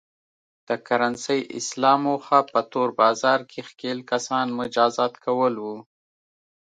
د کرنسۍ اصلاح موخه په تور بازار کې ښکېل کسان مجازات کول و.